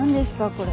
これ。